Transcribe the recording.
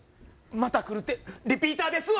「また来る」てリピーターですわ！